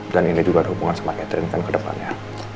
dan ini juga ada hubungan sama catherine kan ke depannya